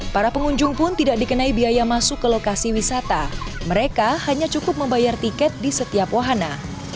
para pengunjung pun tidak dikenai biaya masuk ke lokasi wisata mereka hanya cukup membayar tiket di setiap wahana